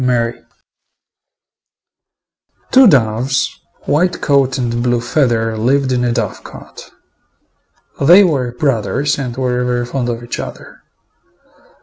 THE TWO DOVES Two doves, White coat and Blue feather, lived in a dovecote. They were brothers and were very fond of each other.